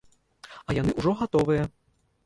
А яны ўжо гатовыя.